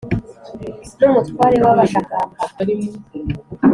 n’umutware w’abashakamba